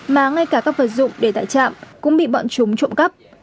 mà ngay cả các vật dụng để tại trạm cũng bị bọn chúng trộm cắp